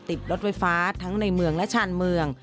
ติดรถไฟฟ้าทั้งในเมืองและชาญเมือง